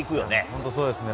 本当そうですね。